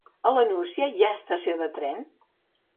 A la Nucia hi ha estació de tren?